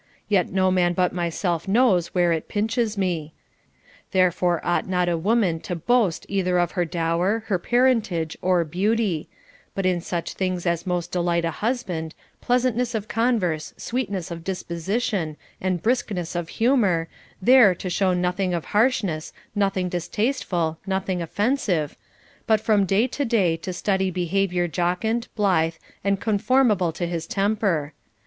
— yet no man but myself knows where it pinches me. Therefore ought not a woman to boast either of her dower, her parentage, or beauty ; but in such things as most delight a husband, pleasantness of converse, sweetness of disposition, and briskness of humor, there to show nothing of harshness, nothing distasteful, nothing offensive, but from day to day to study behavior jocund, blithe, and conformable to his temper.